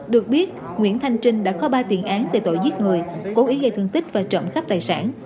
được biết nguyễn thanh trinh đã có ba tiền án về tội giết người cố ý gây thương tích và trộm khắp tài sản